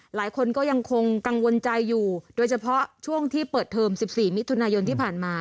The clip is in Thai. หลายคนก็ยังคงกังวลใจอยู่โดยเฉพาะช่วงที่เปิดเทอม๑๔มิถุนายนที่ผ่านมา